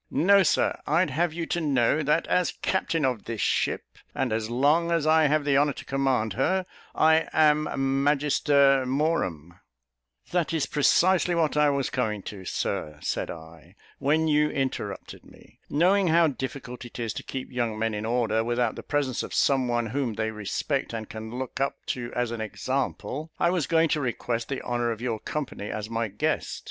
No, Sir; I'd have you to know, that as captain of this ship, and as long as I have the honour to command her, I am magister morum." "That is precisely what I was coming to, Sir," said I, "when you interrupted me. Knowing how difficult it is to keep young men in order, without the presence of some one whom they respect, and can look up to as an example, I was going to request the honour of your company as my guest.